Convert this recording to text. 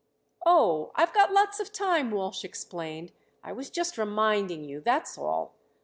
"Oh, I've got lots of time," Walsh explained. "I was just reminding you, that's all.